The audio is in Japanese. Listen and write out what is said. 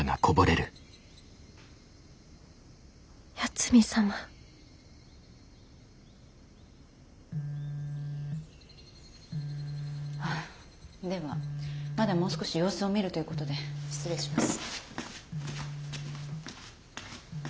八海サマではまだもう少し様子を見るということで失礼します。